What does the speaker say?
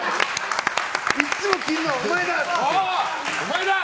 いつも切るのはお前だ！